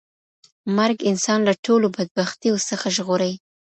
مرګ انسان له ټولو بدبختیو څخه ژغوري.